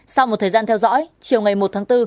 sau một thời gian theo dõi chiều ngày một tháng bốn